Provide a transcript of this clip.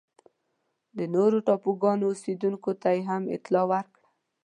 د نورو ټاپوګانو اوسېدونکو ته یې هم اطلاع ورکړه.